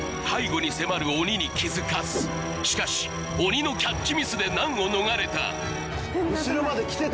背後に迫る鬼に気づかずしかし鬼のキャッチミスで難を逃れた遠くのボール来る